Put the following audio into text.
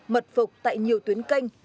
mật phục tại nhiều tuyến kênh